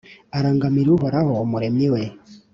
arangamira Uhoraho, Umuremyi we;